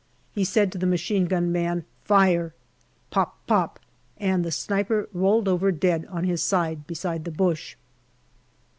He said to the machine gun man " Fire/' Pop pop, and the sniper rolled over dead on his side beside the bush.